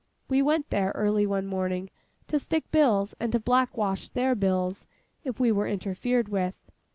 We went there, early one morning, to stick bills and to black wash their bills if we were interfered with.